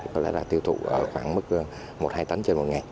có lẽ là tiêu thụ ở khoảng mức một hai tấn trên một ngày